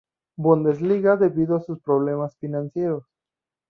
Bundesliga debido a sus problemas financieros.